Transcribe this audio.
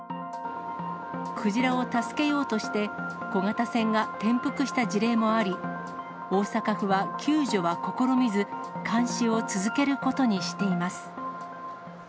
クジラを助けようとして、小型船が転覆した事例もあり、大阪府は救助は試みず、監視を続けることにしています。